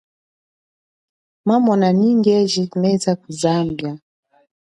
Mamona nyi ngweji menda ku Zambia.